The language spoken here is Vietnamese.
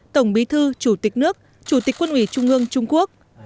tổng bí thư chủ tịch nước chủ tịch quân ủy trung ương trung quốc